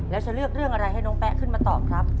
แล้วจะเลือกเรื่องอะไรให้น้องแป๊ะขึ้นมาตอบครับ